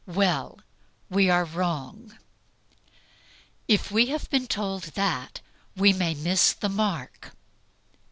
Well, we are wrong. If we have been told that, we may miss the mark.